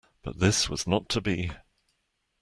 But this was not to be.